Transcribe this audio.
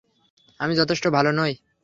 আমি যথেষ্ট ভালো নই!